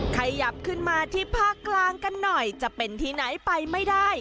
ขยับขึ้นมาที่ภาคกลางกันหน่อยจะเป็นที่ไหนไปไม่ได้